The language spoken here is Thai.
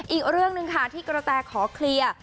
อีกเรื่องหนึ่งค่ะที่กระแตขอเคลียร์